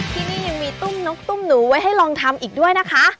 ที่นี่ยังมีตุ้มนกตุ้มหนูไว้ให้ลองทำอีกด้วยนะคะ